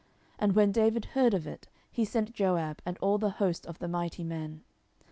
10:010:007 And when David heard of it, he sent Joab, and all the host of the mighty men.